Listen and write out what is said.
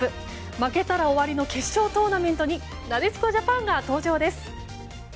負けたら終わりの決勝トーナメントになでしこジャパンが登場です。